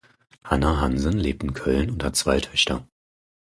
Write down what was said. Hanna Hansen lebt in Köln und hat zwei Töchter.